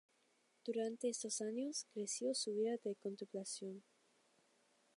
Durante estos años, creció su vida de contemplación.